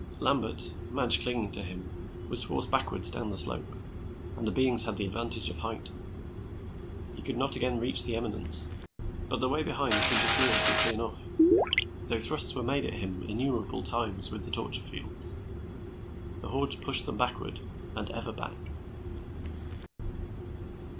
Lambert, Madge clinging to him, was forced backward down the slope, and the beings had the advantage of height. He could not again reach the eminence, but the way behind seemed to clear quickly enough, though thrusts were made at him, innumerable times with the torture fields. The hordes pushed them backward, and ever back.